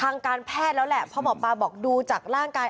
ทางการแพทย์แล้วแหละเพราะหมอปลาบอกดูจากร่างกาย